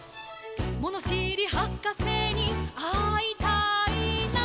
「ものしりはかせにあいたいな」